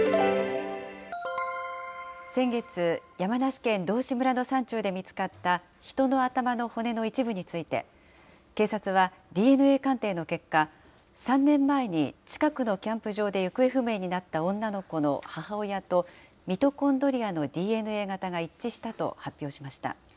先月、山梨県道志村の山中で見つかった、人の頭の骨の一部について、警察は、ＤＮＡ鑑定の結果、３年前に近くのキャンプ場で行方不明になった女の子の母親と、ミトコンドリアのＤＮＡ型が一致したと発表しました。